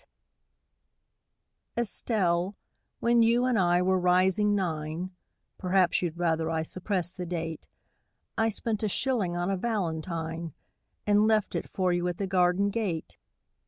] ESTELLE, when you and I were rising nine Perhaps you'd rather I suppressed the date I spent a shilling on a valentine And left it for you at the garden gate.